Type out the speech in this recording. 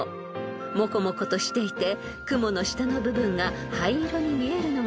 ［モコモコとしていて雲の下の部分が灰色に見えるのが特徴です］